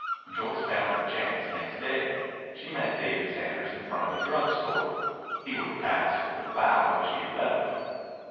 Joyce found her chance next day. She met David Sanders in front of a drug store. He would have passed with a bow if she had let him.